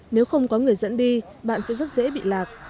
nếu không có người dẫn đi bạn sẽ rất dễ bị lạc